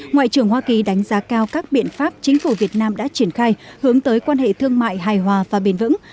ngoại trưởng hoa kỳ đánh giá cao các biện pháp chính phủ việt nam đã triển khai hướng tới quan hệ thương mại hài hòa và bền vững